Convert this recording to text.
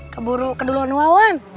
keburu keduluan wawan